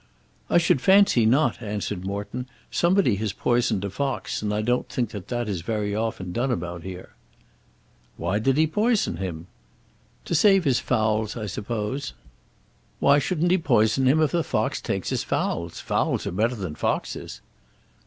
"I should fancy not," answered Morton. "Somebody has poisoned a fox, and I don't think that that is very often done about here." "Why did he poison him?" "To save his fowls I suppose." "Why shouldn't he poison him if the fox takes his fowls? Fowls are better than foxes."